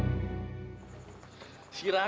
kamu mau bunuh raka